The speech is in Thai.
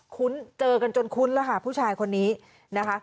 คุ้นเจอกันจนคุ้นแล้วค่ะผู้ชายคนนี้นะคะ